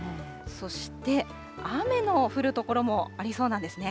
そして雨の降る所もありそうなんですね。